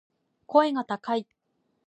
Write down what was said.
声が高い